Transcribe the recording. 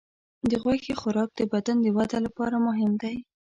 د غوښې خوراک د بدن د وده لپاره مهم دی.